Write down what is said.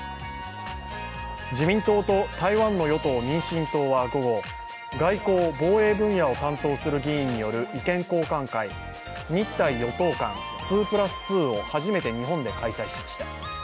自民党と台湾の与党・民進党は午後、外交・防衛分野を担当する議員による意見交換会、日台与党間２＋２を初めて日本で開催しました。